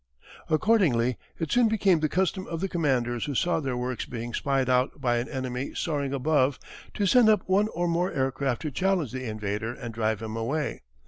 ] Accordingly it soon became the custom of the commanders who saw their works being spied out by an enemy soaring above to send up one or more aircraft to challenge the invader and drive him away.